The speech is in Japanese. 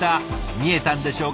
見えたんでしょうか？